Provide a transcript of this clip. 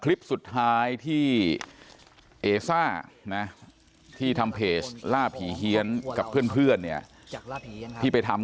คลิปสุดท้ายที่เอ๋ทราที่ทำเพจล่าผีเฮียนกับเพื่อน